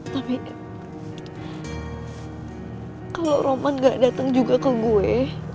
tapi kalau roman gak datang juga ke gue